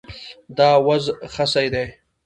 دا وز خسي دی